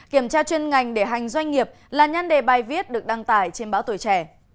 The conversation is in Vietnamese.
kiểm tra chuyên ngành để hành doanh nghiệp là nhân đề bài viết được đăng tải trên báo tuổi trẻ